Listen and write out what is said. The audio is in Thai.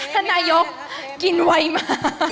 ท่านนายกกินไวมาก